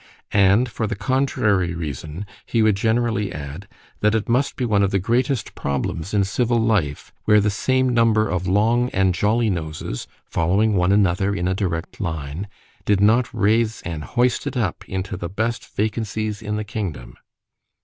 —And for the contrary reason, he would generally add, That it must be one of the greatest problems in civil life, where the same number of long and jolly noses, following one another in a direct line, did not raise and hoist it up into the best vacancies in the kingdom.